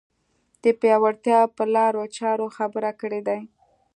د پیاوړتیا پر لارو چارو خبرې کړې دي